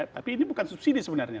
tapi ini bukan subsidi sebenarnya